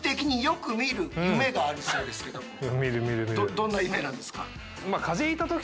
どんな夢なんですか？